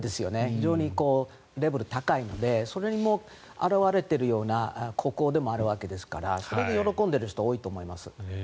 非常にレベルが高いのでそれも表れているような国王であるわけですからそれで喜んでいる人多いと思います。